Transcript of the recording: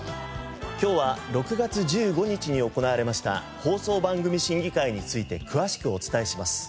今日は６月１５日に行われました放送番組審議会について詳しくお伝えします。